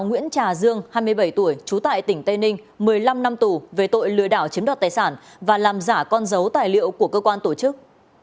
nguyễn trà dương hai mươi bảy tuổi trú tại tỉnh tây ninh một mươi năm năm tù về tội lừa đảo chiếm đoạt tài sản và làm giả con dấu tài liệu của cơ quan tổ chức